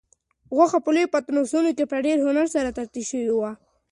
غوښه په لویو پتنوسونو کې په ډېر هنر سره ترتیب شوې وه.